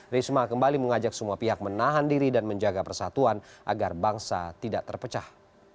risma kembali mengajak semua pihak menahan diri dan menjaga persatuan agar bangsa tidak terpecah